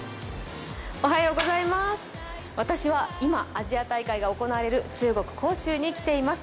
私は今、アジア大会が行なわれる中国・杭州に来ています。